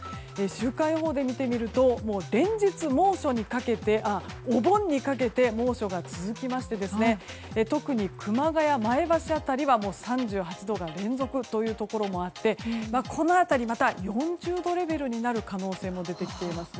週間予報で見てみると連日、お盆にかけて猛暑が続きまして特に熊谷、前橋辺りは３８度が連続というところもあってこの辺り、また４０度レベルになる可能性も出てきています。